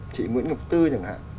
chị nguyễn ngọc tư chẳng hạn